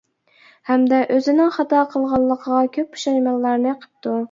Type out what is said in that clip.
ھەمدە ئۆزىنىڭ خاتا قىلغانلىقىغا كۆپ پۇشايمانلارنى قىپتۇ.